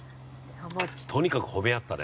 ◆とにかく褒め合ったね。